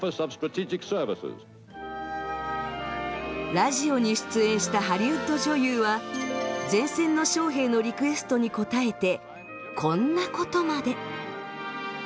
ラジオに出演したハリウッド女優は前線の将兵のリクエストに応えてこんなことまで！